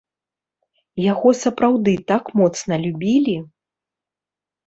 Яго сапраўды так моцна любілі?